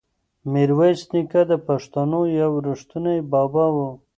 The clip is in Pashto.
میرویس نیکه د پښتنو یو ریښتونی بابا و.